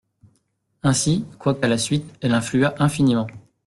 Ainsi, quoiqu'à la suite, elle influa infiniment.